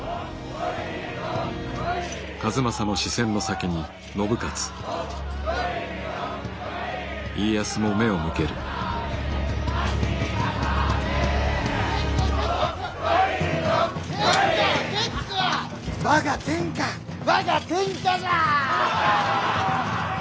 我が天下我が天下じゃ！